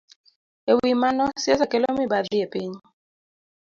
E wi mano, siasa kelo mibadhi e piny.